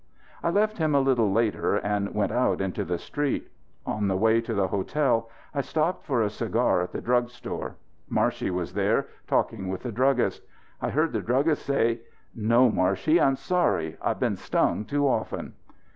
I left him a little later and went out into the street. On the way to the hotel I stopped for a cigar at the drug store. Marshey was there, talking with the druggist. I heard the druggist say: "No, Marshey, I'm sorry. I've been stung too often."